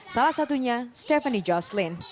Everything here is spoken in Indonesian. salah satunya stephanie jocelyn